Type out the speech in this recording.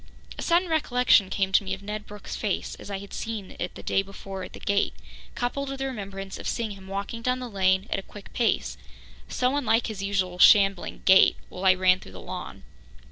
A sudden recollection came to me of Ned Brooke's face as I had seen it the day before at the gate, coupled with the remembrance of seeing him walking down the lane at a quick pace, so unlike his usual shambling gait, while I ran through the lawn.